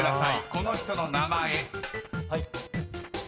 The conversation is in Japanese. この人の名前］